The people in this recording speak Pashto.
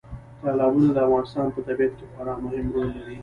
تالابونه د افغانستان په طبیعت کې خورا مهم رول لري.